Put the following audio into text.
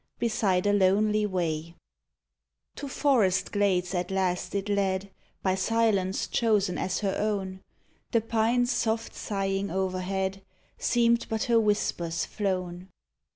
Beside a lonely way. 107 MOONLIGWr IN 'THE PINES To forest glades at last it led, By Silence chosen as her own: The pines' soft sighing overhead Seemed but her whispers flown.